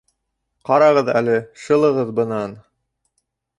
Ҡарағыҙ әле, шылығыҙ бынан!